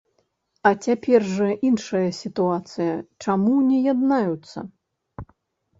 А цяпер жа іншая сітуацыя, чаму не яднаюцца?